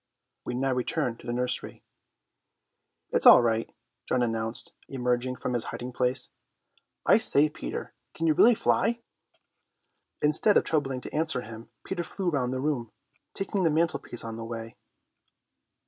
We now return to the nursery. "It's all right," John announced, emerging from his hiding place. "I say, Peter, can you really fly?" Instead of troubling to answer him Peter flew around the room, taking the mantelpiece on the way.